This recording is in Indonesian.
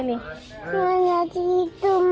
nih kamu kasih itu